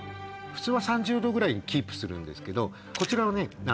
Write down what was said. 普通は３０℃ぐらいにキープするんですけどこちらはね